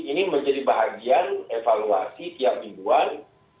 ini menjadi bahagian evaluasi tiap mingguan